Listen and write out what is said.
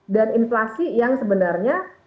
dan inflasi yang sebenarnya